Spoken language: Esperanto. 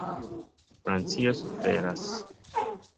Francio suferas.